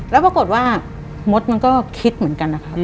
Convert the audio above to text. แล้วปรากฏว่ามดมันก็คิดเหมือนกันนะครับ